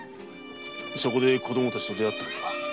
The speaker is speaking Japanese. そこで子供たちに出会ったんだな。